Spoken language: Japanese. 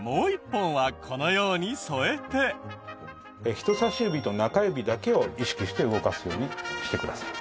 人さし指と中指だけを意識して動かすようにしてください。